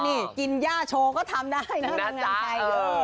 นี่กินย่าโชว์ก็ทำได้น่ารักไทย